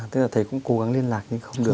tức là thầy cũng cố gắng liên lạc nhưng không được